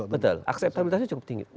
betul akseptabilitasnya cukup tinggi